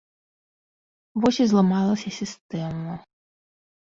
Вось і зламалася сістэма.